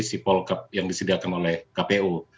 sipol cup yang disediakan oleh kpu